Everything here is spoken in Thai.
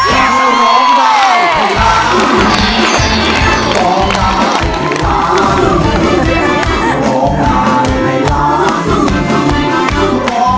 ได้ครับ